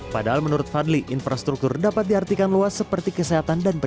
padahal menurut fadli infrastruktur dapat diartikan luas seperti kesehatan